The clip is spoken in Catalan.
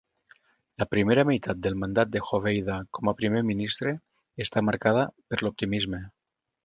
La primera meitat del mandat de Hoveyda com a primer ministre està marcada per l'optimisme.